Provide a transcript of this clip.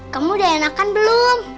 kamu sudah enakan belum